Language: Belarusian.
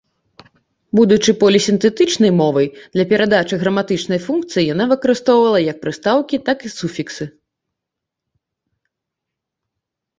Будучы полісінтэтычнай мовай, для перадачы граматычнай функцыі яна выкарыстоўвала як прыстаўкі, так і суфіксы.